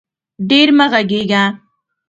ډېر مه غږېږه